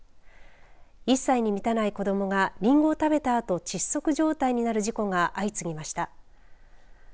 １歳に満たない子どもがりんごを食べた後窒息状態になる事故が相次ぎました。